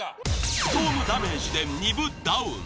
ストームダメージで丹生ダウン。